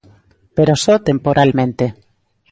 Pero só temporalmente.